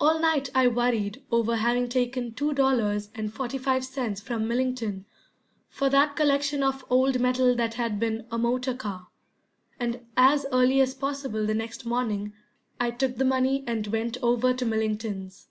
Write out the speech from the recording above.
All night I worried over having taken two dollars and forty five cents from Millington for that collection of old metal that had been a motor car, and as early as possible the next morning I took the money and went over to Millington's.